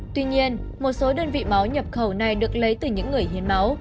tuy nhiên một số đơn vị máu nhập khẩu này được lấy từ những người hiến máu